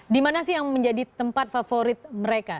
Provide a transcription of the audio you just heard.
di mana sih yang menjadi tempat favorit mereka